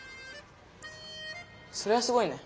それはすごいね。